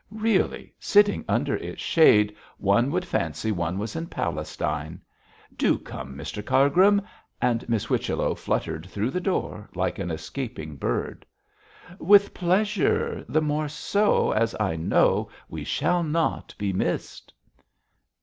Really, sitting under its shade one would fancy one was in Palestine. Do come, Mr Cargrim,' and Miss Whichello fluttered through the door like an escaping bird. 'With pleasure; the more so, as I know we shall not be missed.'